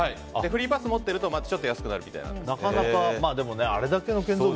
フリーパスを持ってるとちょっと安くなるみたいです。